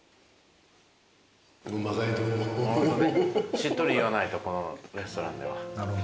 しっとり言わないとこのレストランでは。